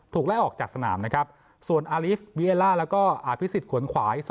ไล่ออกจากสนามนะครับส่วนอารีฟวิเอล่าแล้วก็อภิษฎขวนขวาย